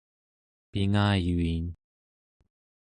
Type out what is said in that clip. pingayuin